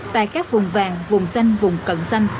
tại các vùng vàng vùng xanh vùng cận xanh